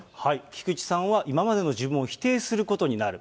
菊池さんは今までの自分を否定することになる。